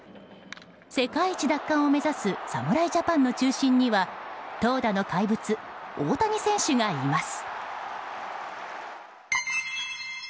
世界一奪還を目指す侍ジャパンの中心には投打の怪物・大谷選手がいます。